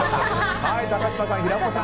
高嶋さん、平子さん